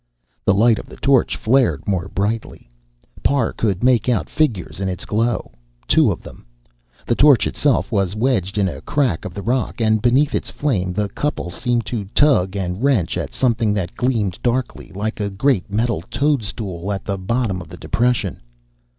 The light of the torch flared more brightly. Parr could make out figures in its glow two of them. The torch itself was wedged in a crack of the rock, and beneath its flame the couple seemed to tug and wrench at something that gleamed darkly, like a great metal toadstool at the bottom of the depression.